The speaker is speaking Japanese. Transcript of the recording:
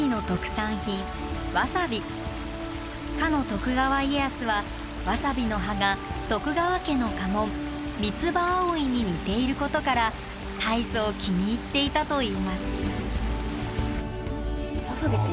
徳川家康はわさびの葉が徳川家の家紋「三つ葉葵」に似ていることから大層気に入っていたといいます。